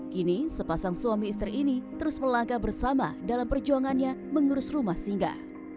kini sepasang suami istri ini terus melangkah bersama dalam perjuangannya mengurus rumah singga